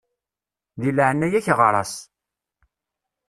Di leɛnaya-k ɣeṛ-as.